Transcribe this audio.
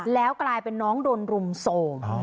แล้วกลายเป็นน้องโดนรุมโทรม